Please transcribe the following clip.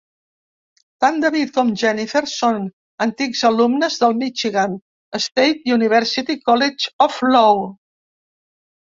Tant David com Jennifer són antics alumnes del Michigan State University College of Law.